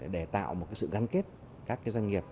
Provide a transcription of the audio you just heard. để tạo sự gắn kết các doanh nghiệp